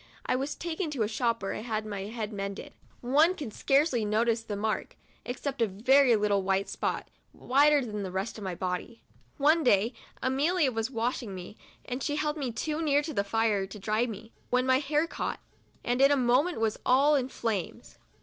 I was taken to a shop where I had my head mended. One can scarcely notice the mark, except a little very white spot, whiter than the rest of my body. One day Amelia was washing me, and she held me too near the fire to dry me, when my hair caught, and in a moment was all in flames.